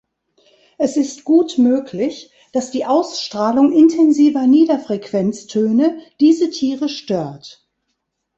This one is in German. Es ist gut möglich, dass die Ausstrahlung intensiver Niederfrequenztöne diese Tiere stört.